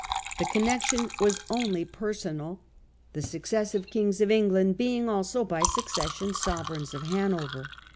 The connection was only personal, the succes sive kings of England being also by succession sove reigns of Hanover.